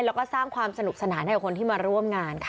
แล้วก็สร้างความสนุกสนานให้กับคนที่มาร่วมงานค่ะ